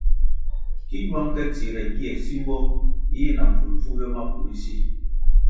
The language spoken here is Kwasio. Ki ñwang ke tsire ngie simbo yih na mbvul vu ywe maku ri si.